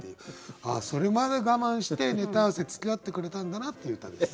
それまで我慢してネタ合わせつきあってくれたんだなっていう歌です。